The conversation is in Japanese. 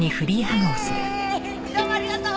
どうもありがとう。